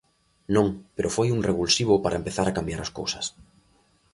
Non, pero foi un revulsivo para empezar a cambiar as cousas.